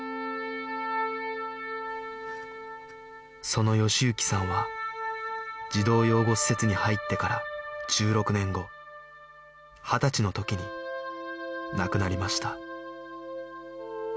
その喜之さんは児童養護施設に入ってから１６年後二十歳の時に亡くなりました